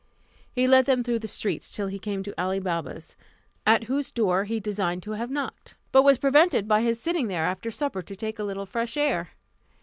He led them through the streets, till he came to Ali Baba's, at whose door he designed to have knocked; but was prevented by his sitting there after supper to take a little fresh air.